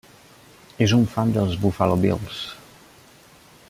És un fan dels Buffalo Bills.